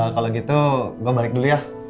kalau gitu gue balik dulu ya